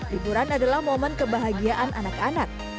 liburan adalah momen kebahagiaan anak anak